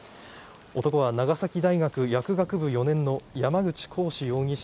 男は長崎大学薬学部４年の山口鴻志容疑者